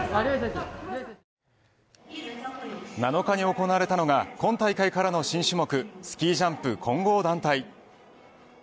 ７日に行われたのが今大会からの新種目スキージャンプ混合団体。